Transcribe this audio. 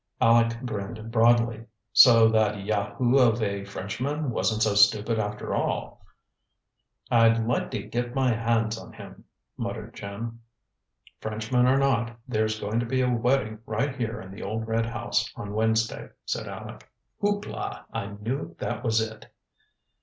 Aleck grinned broadly. "So that Yahoo of a Frenchman wasn't so stupid after all." "I'd like to get my hands on him!" muttered Jim. "Frenchman or not, there's going to be a wedding right here in the old red house on Wednesday," said Aleck. "Hoopla! I knew that was it!"